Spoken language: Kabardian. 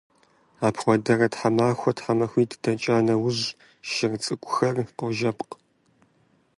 Апхуэдэурэ, тхьэмахуэ-тхьэмахуитӀ дэкӀа нэужь, шыр цӀыкӀухэр къожэпхъ.